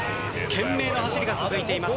懸命な走りが続いています。